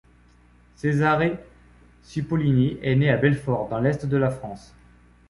Cesare Cipollini est né à Belfort, dans l'est de la France.